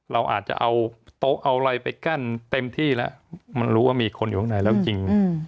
เราอาจจะเอาโต๊ะเอาอะไรไปกั้นเต็มที่แล้วมันรู้ว่ามีคนอยู่ข้างในแล้วจริง